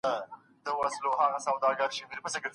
ږیره لرونکي سړي ډوډۍ او مڼه نه ده راوړي.